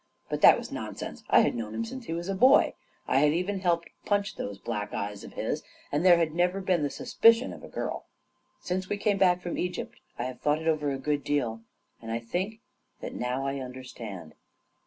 But that was nonsense. I had known him since he was a boy; I had even helped punch those black eyes of his ; and there had never been the suspicion of a girl. Since we came back from Egypt, I have thought it over a good deal, and I think that now I understand